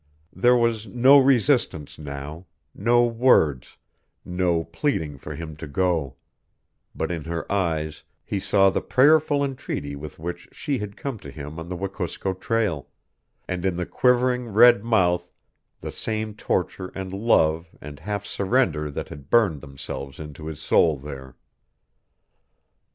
There was no resistance now, no words, no pleading for him to go; but in her eyes he saw the prayerful entreaty with which she had come to him on the Wekusko trail, and in the quivering red mouth the same torture and love and half surrender that had burned themselves into his soul there.